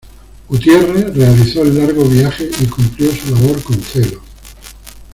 Gutierre realizó el largo viaje y cumplió su labor con celo.